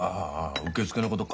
受付のことか。